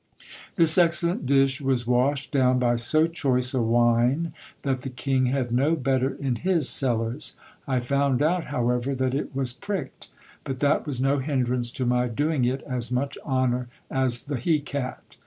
This excellent dish was washed down by so choice a wine, that the king had no better in his cellars. I found out, however, that it was pricked ; but that was no hindrance to my doing it as much honour as the he cat.